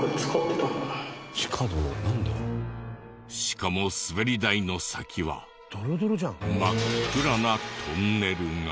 しかもスベリ台の先は真っ暗なトンネルが。